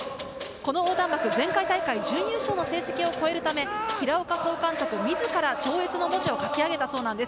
この横断幕、前回大会準優勝の成績を超えるため、平岡総監督自ら「超越」の文字を書き上げたそうなんです。